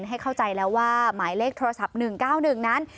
ให้เข้าใจแล้วว่าหมายเลขโทรศัพท์๑๙๑นั้น